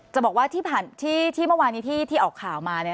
จะบอกว่าที่เมื่อวานนี้ที่ออกข่าวมา